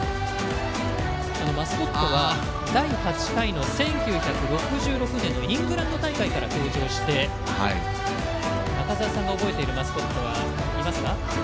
マスコットは第８回の１９６６年のイングランド大会から登場して中澤さんが覚えているマスコットはいますか？